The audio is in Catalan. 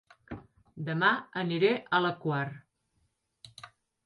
Dema aniré a La Quar